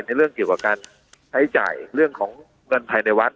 เรื่องเกี่ยวกับการใช้จ่ายเรื่องของเงินภายในวัด